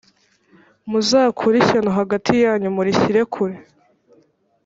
muzakure ishyano hagati yanyu murishyire kure.